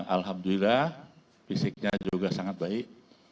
alhamdulillah fisiknya juga sangat baik